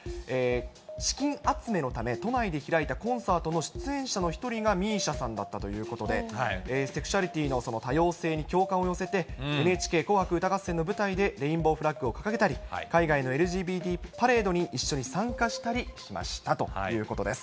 資金集めのため、都内で開いたコンサートの出演者の一人がＭＩＳＩＡさんだったということで、セクシャリティーの多様性に共感を寄せて、ＮＨＫ紅白歌合戦の舞台でレインボーフラッグを掲げたり、海外のＬＧＢＴパレードに一緒に参加したりしましたということです。